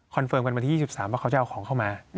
เฟิร์มกันวันที่๒๓ว่าเขาจะเอาของเข้ามา